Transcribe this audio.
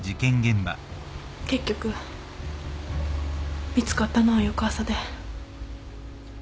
結局見つかったのは翌朝で。